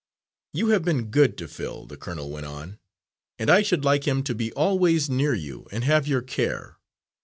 "You have been good to Phil," the colonel went on, "and I should like him to be always near you and have your care.